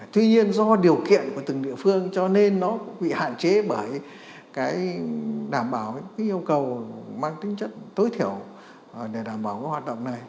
tuy nhiên do điều kiện của từng địa phương cho nên nó cũng bị hạn chế bởi cái đảm bảo cái yêu cầu mang tính chất tối thiểu để đảm bảo cái hoạt động này